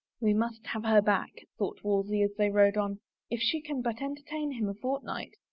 " We must have her back," thought Wolsey as they rode on, " if she can but entertain him a fortnight.